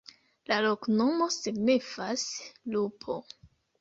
La loknomo signifas: lupo.